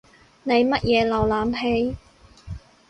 你乜嘢瀏覽器？